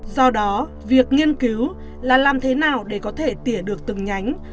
do đó việc nghiên cứu là làm thế nào để có thể tỉa được từng nhánh